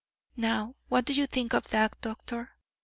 Now, what do you think of that, doctor?